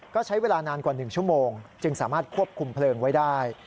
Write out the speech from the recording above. ก็ใช้เวลานานกว่า๑ชั่วโมงจึงสามารถควบคุมเพลิงไว้ได้